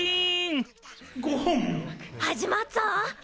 始まっぞ！